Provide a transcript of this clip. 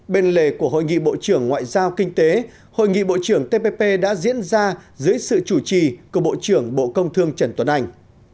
bên lề của hội nghị bộ trưởng ngoại giao kinh tế hội nghị bộ trưởng tppp đã diễn ra dưới sự chủ trì của bộ trưởng bộ công thương trần tuấn anh